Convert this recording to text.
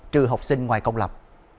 trừ học sinh ngoài công lập